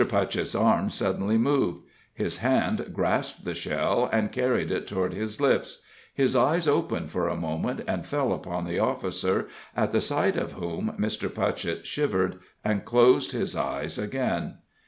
Putchett's arm suddenly moved; his hand grasped the shell and carried it toward his lips; his eyes opened for a moment and fell upon the officer, at the sight of whom Mr. Putchett shivered and closed his eyes again.